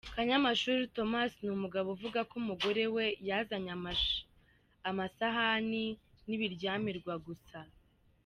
Kanyamashuri Thomas, ni umugabo uvuga ko umugore we yazanye amasahani n’ibiryamirwa gusa.